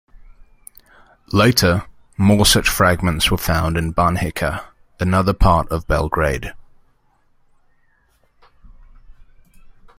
Later, more such fragments were found in Banjica, another part of Belgrade.